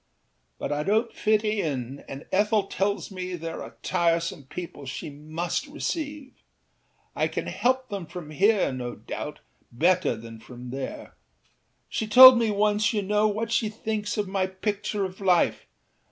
But I donât fit in, and Ethel tells me there are tiresome people she must receive. I can help them from here, no doubt, better than from there. She told me once, you know, what she thinks of my picture of life.